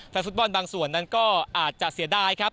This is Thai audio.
แฟนฟุตบอลบางส่วนนั้นก็อาจจะเสียดายครับ